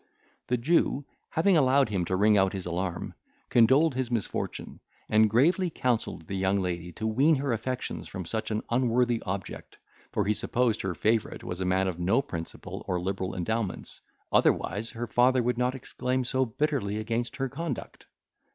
The Jew having allowed him to ring out his alarm, condoled his misfortune, and gravely counselled the young lady to wean her affections from such an unworthy object, for he supposed her favourite was a man of no principle, or liberal endowments, otherwise her father would not exclaim so bitterly against her conduct.